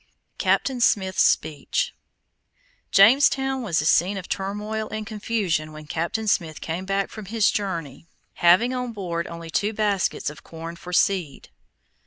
CAPTAIN SMITH'S SPEECH Jamestown was a scene of turmoil and confusion when Captain Smith came back from his journey having on board only two baskets of corn for seed.